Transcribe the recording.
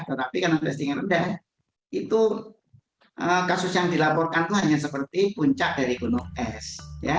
tetapi karena testingnya rendah itu kasus yang dilaporkan itu hanya seperti puncak dari gunung es